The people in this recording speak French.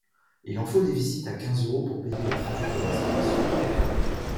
Il en faut des visites à quinze euros pour payer les travaux de restauration.